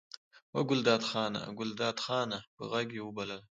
وه ګلداد خانه! ګلداد خانه! په غږ یې وبلل.